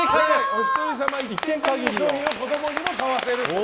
お一人様一点限りの商品を子供にも買わせる。